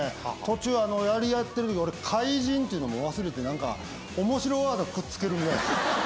途中やり合ってるとき俺怪人っていうのもう忘れて面白ワードくっつける。